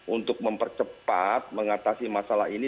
untuk mempercepat mengatasi masalah ini